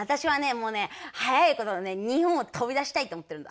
もうね早いこと日本を飛び出したいって思ってるんだ。